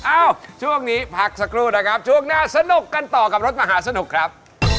เอ้าช่วงนี้พักสักครู่นะครับช่วงหน้าสนุกกันต่อกับรถมหาสนุกครับ